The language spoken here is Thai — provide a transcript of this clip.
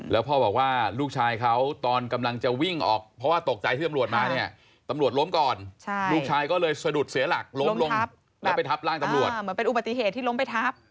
แล้วพ่อบอกว่าลูกชายเขาตอนกำลังจะวิ่งออกเพราะว่าตกใจที่ตำรวจมาเนี่ยตำรวจล้มก่อนลูกชายก็เลยสะดุดเสียหลักล้มลงแล้วไปทับร่างตำรวจเหมือนเป็นอุบัติเหตุที่ล้มไปทับ